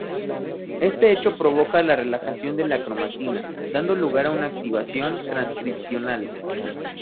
Este hecho provoca la relajación de la cromatina, dando lugar a una activación transcripcional.